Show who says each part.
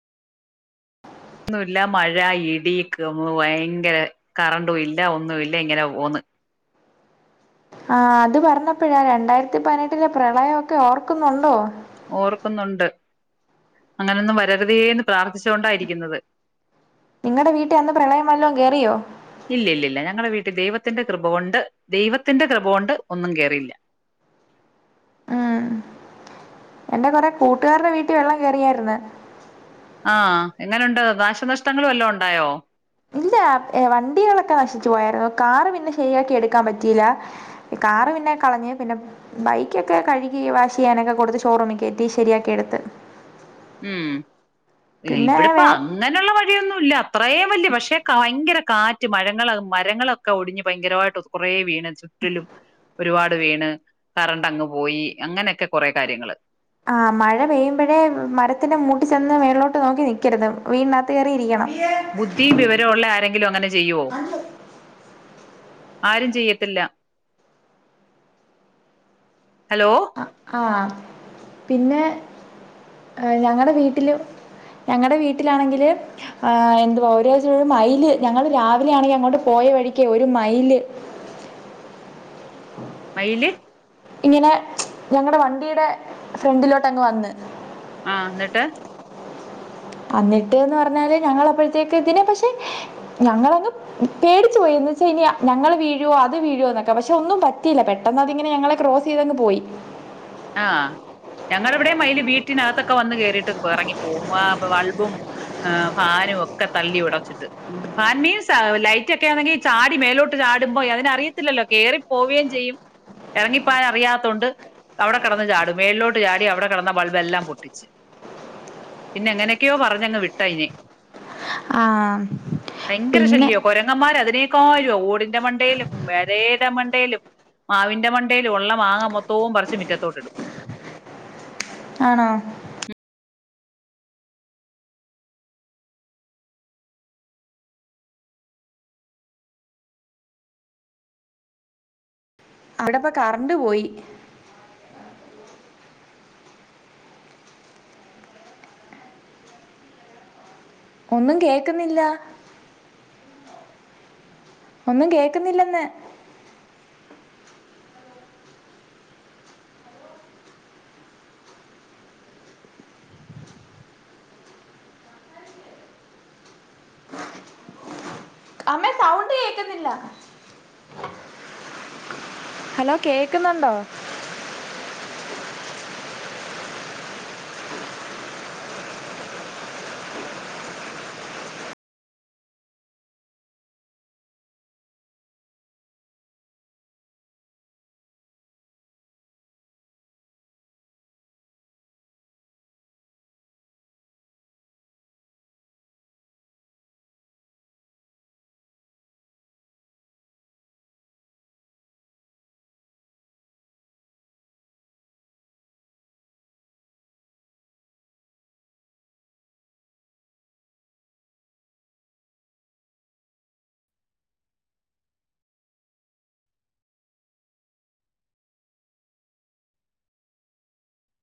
Speaker 1: ന്നുല്ല. മഴ ഇടി ഗമ്മോ ഭയങ്കര കറണ്ടും ഇല്ല. ഒന്നും ഇല്ല ഇങ്ങനെ പോന്ന്.
Speaker 2: ആഹ് ത് പറഞ്ഞപ്പഴാ രണ്ടായിരത്തി പതിനെട്ടിലെ പ്രളയൊക്കെ ഓർക്കുന്നുണ്ടോ?
Speaker 1: ഓർക്കുന്നുണ്ട്. അങ്ങനൊന്നും വരരുതേന്ന് പ്രാർത്ഥിച്ച് കൊണ്ടായിരിക്കുന്നത്.
Speaker 2: നിങ്ങടെ വീട്ടിൽ അന്ന് പ്രളയം വല്ലോ കേറിയോ?
Speaker 1: ഇല്യ ല്യ ല്യ ഞങ്ങടെ വീട്ടിൽ ദൈവത്തിന്റെ കൃപ കൊണ്ട് ദൈവത്തിന്റെ കൃപോണ്ട് ഒന്നും കേറിയില്ല.
Speaker 2: ആഹ് എന്റെ കൊറെ കൂട്ടുകാരുടെ വീട്ടിൽ വെള്ളം കേറിയാര്ന്ന്.
Speaker 1: ആഹ് എങ്ങനുണ്ട്. നാശനഷ്ടങ്ങള് വല്ലോം ഉണ്ടായോ?
Speaker 2: ഇല്ല വണ്ടികളൊക്കെ നശിച്ച് പോയായിരുന്നു കാറ് പിന്നെ ശരിയാക്കി എട്ക്കാൻ പറ്റിയില്ല കാറ് പിന്നെ കളഞ്ഞെ പിന്നെ ബൈക്കൊക്കെ കഴുകി വാഷ് ചെയ്യാനൊക്കെ കൊടുത്ത് ഷോറൂമി കേറ്റി ശരിയാക്കി എടുത്ത്
Speaker 1: ഉം
Speaker 2: പിന്നെ വേ
Speaker 1: ഇവിടെപ്പം അം ങ്ങനെള്ള വഴിയൊന്നുല്ല അത്രയും വലിയ പക്ഷേ ഭയങ്കര കാറ്റ് മഴങ്ങള് മരങ്ങളൊക്കെ ഒടിഞ്ഞ് ഭയങ്കരായിട്ട് കൊറെ വീണ് ചുറ്റിലും ഒരുപാട് വീണ് കറണ്ട് അങ്ങ് പോയി അങ്ങനെക്കെ കൊറെ കാര്യങ്ങള്
Speaker 2: ആഹ് മഴ പെയ്യുമ്പോഴേ മരത്തിന്റെ മൂട്ടി ചെന്ന് മേളിലോട്ട് നോക്കി നിക്കരുത് വീടിനകത്ത് കേറി ഇരിക്കണം
Speaker 1: ബുദ്ധിംവിവരുള്ള ആരെങ്കിലും അങ്ങനെ ചെയ്യുവോ ആരും ചെയ്യത്തില്ല ഹലോ
Speaker 2: ആഹ് പിന്നെ ഹേ ഞങ്ങടെ വീട്ടില് ഞങ്ങടെ വീട്ടിലാണെങ്കില് ആഹ് എന്തുവാ ഒരാഴ്ച ഒരു മൈല് ഞങ്ങള് രാവിലെ ആണെങ്കിൽ അങ്ങോട്ട് പോയ വഴിക്ക് ഒര് മൈല്
Speaker 1: മൈല്
Speaker 2: ഇങ്ങനെ ഞങ്ങടെ വണ്ടിയിടെ ഫ്രണ്ടിലോട്ട് അങ്ങ് വന്ന്
Speaker 1: ആഹ് ന്നിട്ട്
Speaker 2: അന്നിട്ട്ന്ന് പറഞ്ഞാല് ഞങ്ങളപ്പോഴത്തേക്ക് പിന്നെ പക്ഷെ ഞങ്ങളങ് പേടിച്ച് പോയി ന്ന് വെച്ചാ ഇനി ഞങ്ങൾ വീഴുവോ അത് വീഴുവോ എന്നൊക്കെ പക്ഷെ ഒന്നും പറ്റിയില്ല പെ ഒന്നാതിങ്ങനെ ഞങ്ങളെ ക്രോസ് ചെയ്തങ് പോയി
Speaker 1: ആഹ് ഞങ്ങളവിടെയും മൈല് വീട്ടിനകത്തൊക്കെ വന്ന് കേറിട്ട് എറങ്ങി പോവും ആഹ് വൾബും ആഹ് ഭാരോ ഒക്കെ തള്ളി വെടെ വെച്ചിട്ട് ഫാൻ മീൻസ് ലൈറ്റ് ഒക്കെ ആണെങ്കിൽ ചാടി മേലോട്ട് ചാടുമ്പോ അതിനറിയത്തില്ലല്ലോ കേറി പോവുകയും ചെയ്യും എറങ്ങിപ്പായാൻ അറിയാത്തോണ്ട് അവിടെ കെട്ന്ന് ചാടും മേളിലോട്ട് ചാടി അവിടെ കെടന്ന ബൾബല്ലാം പൊട്ടിച്ച് പിന്നെ എങ്ങനെയൊക്കെയോ പറഞ്ഞങ്ങ് വിട്ടയ്നെ
Speaker 2: ആഹ്
Speaker 1: ഭയങ്കര
Speaker 2: പിന്നെ
Speaker 1: ശല്യോം കൊരങ്ങന്മാര് അതിനേക്കാരും ഓടിന്റെ മണ്ടേയിലും പെരയൻ്റെ മണ്ടേയിലും മാവിന്റെ മണ്ടേയില് ഒള്ള മാങ്ങ മൊത്തവും പറിച്ച് മിറ്റത്തോട്ടിടും
Speaker 2: ആണോ വിടപ്പ കറണ്ട് പോയി ഒന്നും കേക്കുന്നില്ല ഒന്നും കേക്കുന്നില്ലന്ന് അമ്മേ സൗണ്ട് കേക്കുന്നില്ല ഹലോ കേക്കുന്നുണ്ടോ